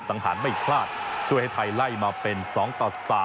สังหารไม่พลาดช่วยให้ไทยไล่มาเป็น๒ต่อ๓